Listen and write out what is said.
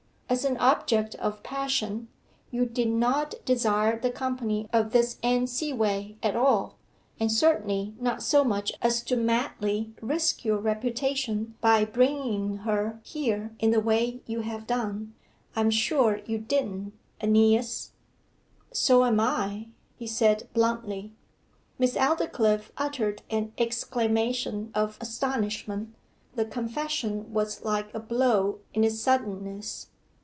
As an object of passion, you did not desire the company of this Anne Seaway at all, and certainly not so much as to madly risk your reputation by bringing her here in the way you have done. I am sure you didn't, AEneas.' 'So am I,' he said bluntly. Miss Aldclyffe uttered an exclamation of astonishment; the confession was like a blow in its suddenness.